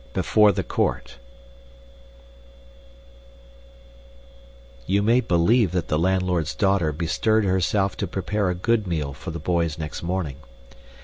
Before the Court You may believe that the landlord's daughter bestirred herself to prepare a good meal for the boys next morning.